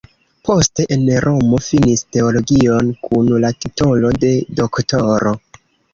Poste en Romo finis teologion kun la titolo de doktoro.